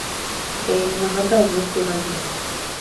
Я яму нагадаў гэтую размову.